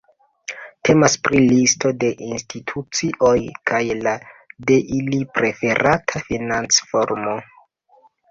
Temas pri listo de institucioj kaj la de ili preferata financformo.